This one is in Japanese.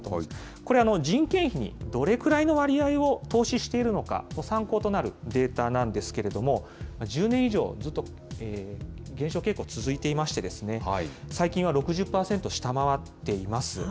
これ、人件費にどれくらいの割合を投資しているのか、参考となるデータなんですけれども、１０年以上、ずっと減少傾向続いていまして、最近は６０％下回っています。